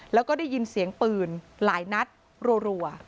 แล้วก็ได้ยินเสียงปืนหลายนัดรัว